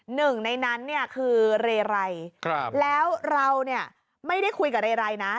หนึ่งในนั้นเนี่ยคือเรไรแล้วเราเนี่ยไม่ได้คุยกับเรไรนะ